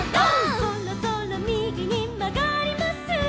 「そろそろみぎにまがります」